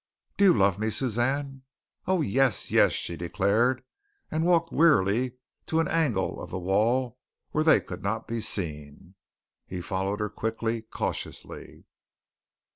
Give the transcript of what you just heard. "Do you love me, Suzanne?" "Oh, yes, yes," she declared, and walked wearily to an angle of the wall where they could not be seen. He followed her quickly, cautiously.